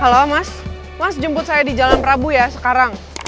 halo mas mas jemput saya di jalan prabu ya sekarang